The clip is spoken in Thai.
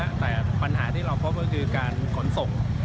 แต่ปัญหาที่เราพบก็คือการขนส่ง